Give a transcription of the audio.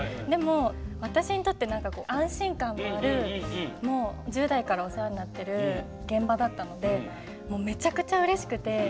でも私にとって何かこう安心感のある１０代からお世話になってる現場だったのでめちゃくちゃうれしくて。